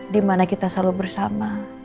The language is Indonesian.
dimana kita selalu bersama